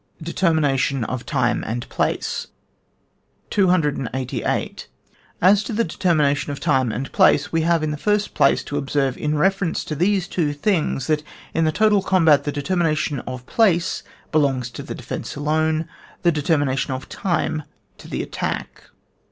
Determination of Time and Place. 288. As to the determination of time and place, we have, in the first place, to observe in reference to these two things, that in the total combat the determina tion of place belongs to the defence alone, the determination of time to the attack.